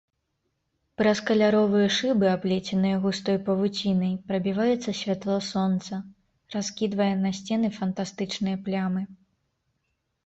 Праз каляровыя шыбы, аплеценыя густой павуцінай, прабіваецца святло сонца, раскідвае на сцены фантастычныя плямы.